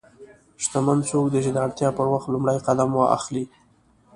شتمن څوک دی چې د اړتیا پر وخت لومړی قدم اخلي.